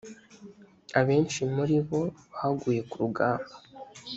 abenshi muri bo baguye ku rugamba